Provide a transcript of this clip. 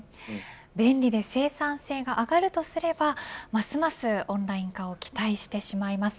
便利で生産性が上がるとすればますますオンライン化を期待してしまいます。